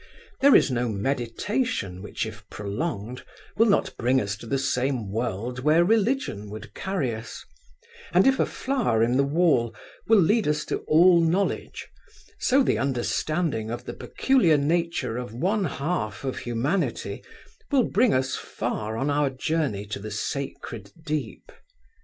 There is no meditation which if prolonged will not bring us to the same world where religion would carry us, and if a flower in the wall will lead us to all knowledge, so the understanding of the peculiar nature of one half of humanity will bring us far on our journey to the sacred deep.